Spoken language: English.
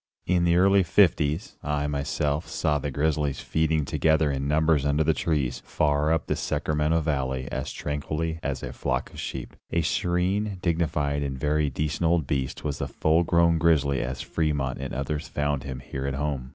In the early '50s, I, myself, saw the grizzlies feeding together in numbers under the trees, far up the Sacramento Valley, as tranquilly as a flock of sheep. A serene, dignified and very decent old beast was the full grown grizzly as Fremont and others found him here at home.